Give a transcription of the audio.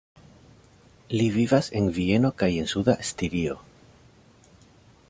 Li vivas en Vieno kaj en Suda Stirio.